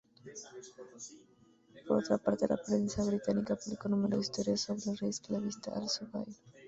Por otra parte, la prensa británica publicó numerosas historias sobre "El rey esclavista" Al-Zubayr.